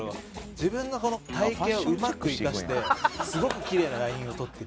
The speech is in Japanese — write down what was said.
自分のこの体形をうまく生かしてすごくきれいなラインを取ってる。